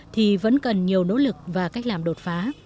thì vẫn cần nhiều nỗ lực và cách làm đột phá